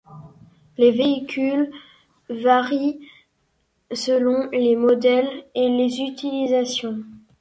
Les véhicules varient selon les modèles et les utilisations.